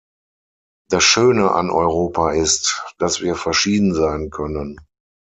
Das Schöne an Europa ist, dass wir verschieden sein können.